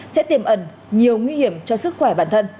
sẽ tiềm ẩn nhiều nguy hiểm cho sức khỏe